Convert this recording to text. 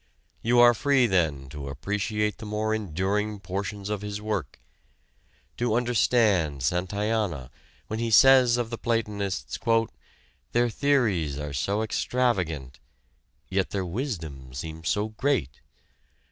You are free then to appreciate the more enduring portions of his work, to understand Santayana when he says of the Platonists, "their theories are so extravagant, yet their wisdom seems so great.